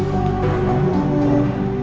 jangan lupa beneran